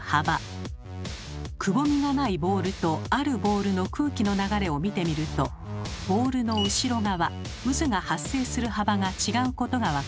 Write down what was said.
くぼみがないボールとあるボールの空気の流れを見てみるとボールの後ろ側渦が発生する幅が違うことが分かります。